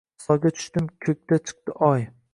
Soyga tushdim, ko’kda chiqdi oy